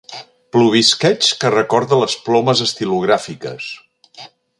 Plovisqueig que recorda les plomes estilogràfiques.